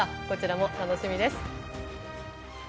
こちらも楽しみです。